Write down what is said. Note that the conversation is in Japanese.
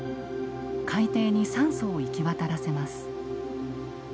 海底に酸素を行き渡らせます。